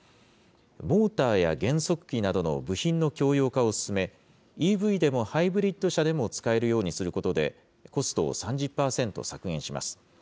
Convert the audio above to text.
モーターや減速機などの部品の共用化を進め、ＥＶでもハイブリッド車でも使えるようにすることで、コストを３０％削減します。